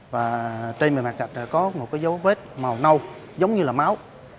và trên bề mặt gạch có một dấu vết màu nâu giống như là máu